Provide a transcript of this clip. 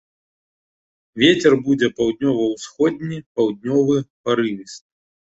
Вецер будзе паўднёва-ўсходні, паўднёвы парывісты.